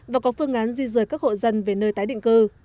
và có phương án di rời các hộ dân về nơi tái định cư